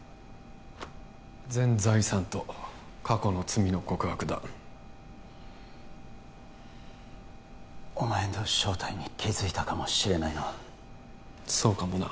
全財産と過去の罪の告白だお前の正体に気づいたかもしれないなそうかもな